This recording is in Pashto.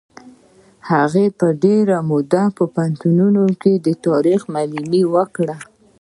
هغه ډېره موده په پوهنتونونو کې د تاریخ معلمي وکړه.